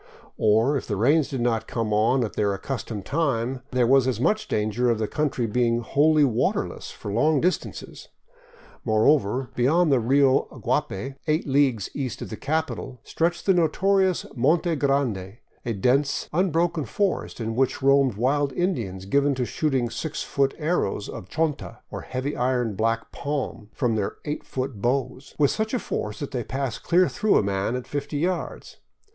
Or, if the rains did not come on at their accustomed time, there was as much danger of the country being wholly waterless for long distances. Moreover, beyond the Rio Guapay, eight leagues east of the capital, stretched the notorious Monte Grande, a dense, unbroken forest in which roamed wild Indians given to shooting six foot airrows of chonta, or iron heavy black palm, from their eight foot bows, with such force that they pass clear through a man at fifty yards.